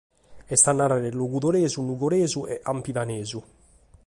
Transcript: Est a nàrrere logudoresu, nugoresu e campidanesu.